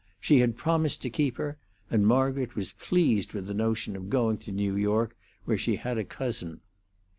She had promised to keep her; and Margaret was pleased with the notion of going to New York, where she had a cousin.